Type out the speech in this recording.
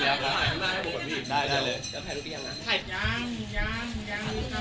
ยังรู้จัก